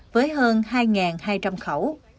với hơn hai hai trăm linh khẩu